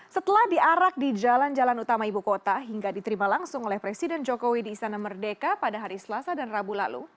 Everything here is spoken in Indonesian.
setelah diarak di jalan jalan utama ibu kota hingga diterima langsung oleh presiden jokowi di istana merdeka pada hari selasa dan rabu lalu